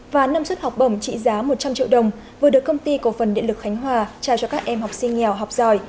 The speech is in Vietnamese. và năm suất học bổng trị giá một trăm linh triệu đồng vừa được công ty cổ phần điện lực khánh hòa trao cho các em học sinh nghèo học giỏi